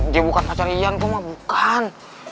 dia bukan pacar ian tuh mah bukan